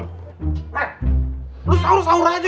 eh lo sahur sahur aja